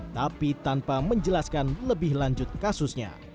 tapi tanpa menjelaskan lebih lanjut kasusnya